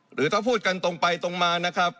หรือถ้าพูดกันตรงไปตรงมานะครับ